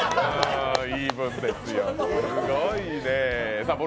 イーブンですよ、すごいね。